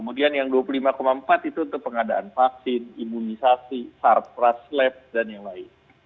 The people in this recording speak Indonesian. kemudian yang dua puluh lima empat itu untuk pengadaan vaksin imunisasi sarpras lab dan yang lain